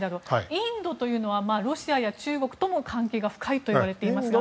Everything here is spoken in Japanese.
インドはロシアや中国とも関係が深いといわれていますが。